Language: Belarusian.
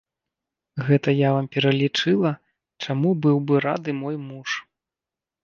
Гэта я вам пералічыла, чаму быў бы рады мой муж.